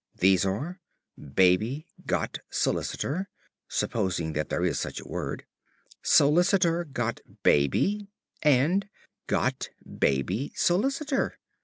These are, "Baby got solicitor" (supposing that there is such a word), "Solicitor got baby," and "Got baby solicitor."